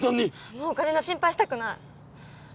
もうお金の心配したくない。